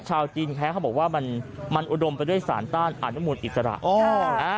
ชาวจีนแท้เขาบอกว่ามันอุดมไปด้วยสารต้านอนุมูลอิสระ